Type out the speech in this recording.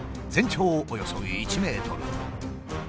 全長およそ１ｍ。